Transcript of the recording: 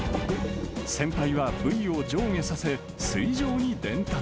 先輩はぶいを上下させ、水上に伝達。